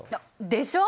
でしょ！